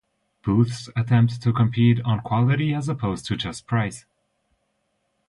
Booths attempt to compete on quality as opposed to just price.